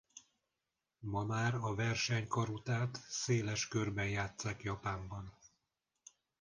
Ma már a verseny-karutát széles körben játsszák Japánban.